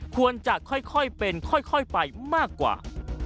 ควรจะค่อยเป็นค่อยไปมากกว่า